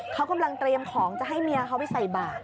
เขากำลังเตรียมของจะให้เมียเขาไปใส่บาท